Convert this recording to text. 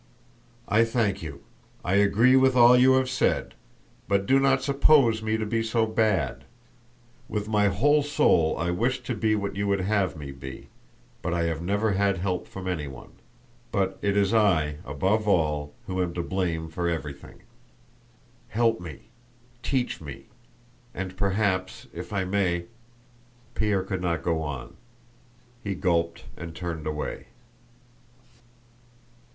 "I thank you. I agree with all you have said. But do not suppose me to be so bad. With my whole soul I wish to be what you would have me be, but I have never had help from anyone.... But it is I, above all, who am to blame for everything. Help me, teach me, and perhaps I may..." Pierre could not go on. He gulped and turned away.